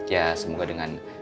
ya semoga dengan